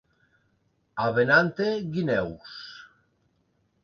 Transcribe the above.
A Benante, guineus.